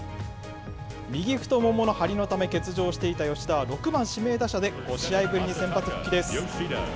右太ももの張りのため欠場していた吉田は、６番指名打者で５試合ぶりに先発復帰です。